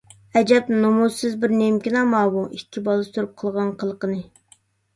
ئەجەب نومۇسسىز بىر نېمىكىنا ماۋۇ، ئىككى بالىسى تۇرۇپ قىلغان قىلىقىنى!